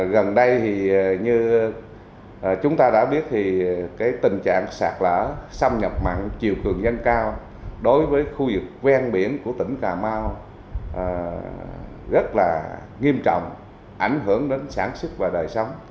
gần đây thì như chúng ta đã biết thì tình trạng sạt lở xâm nhập mặn chiều cường dân cao đối với khu vực ven biển của tỉnh cà mau rất là nghiêm trọng ảnh hưởng đến sản xuất và đời sống